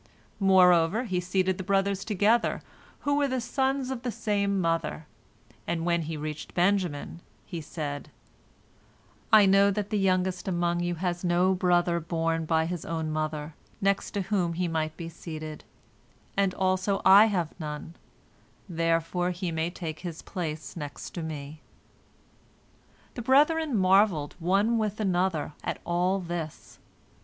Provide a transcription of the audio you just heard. Moreover, he seated the brothers together who were the sons of the same mother, and when he reached Benjamin, he said, "I know that the youngest among you has no brother borne by his own mother, next to whom he might be seated, and also I have none, therefore he may take his place next to me." The brethren marvelled one with another at all this.